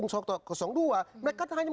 mereka hanya menunggu kesempatan gitu loh